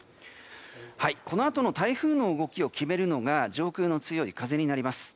このあとの台風の動きを決めるのが上空の強い風になります。